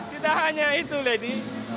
tidak hanya itu lady